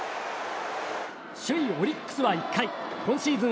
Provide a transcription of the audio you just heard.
首位オリックスは１回今シーズン